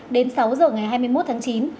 đến sáu h ngày hai mươi một tháng chín